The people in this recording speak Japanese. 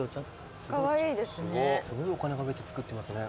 すごいお金かけて作ってますね。